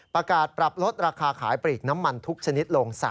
ประกาศปรับลดราคาขายปลีกน้ำมันทุกชนิดลง